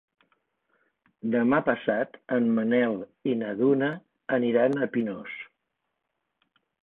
Demà passat en Manel i na Duna aniran a Pinós.